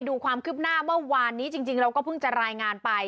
ดูความคืบหน้าเมื่อวานนี้จริงเราก็เพิ่งจะรายงานไป